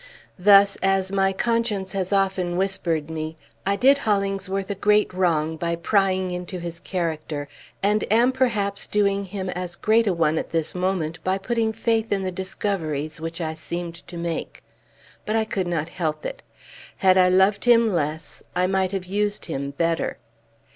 Thus, as my conscience has often whispered me, I did Hollingsworth a great wrong by prying into his character; and am perhaps doing him as great a one, at this moment, by putting faith in the discoveries which I seemed to make. But I could not help it. Had I loved him less, I might have used him better.